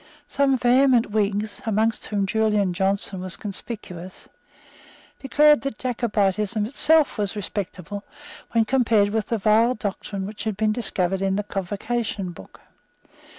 Some vehement Whigs, among whom Julian Johnson was conspicuous, declared that Jacobitism itself was respectable when compared with the vile doctrine which had been discovered in the Convocation Book.